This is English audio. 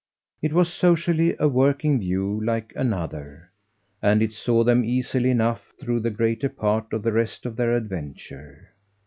It was, socially, a working view like another, and it saw them easily enough through the greater part of the rest of their adventure.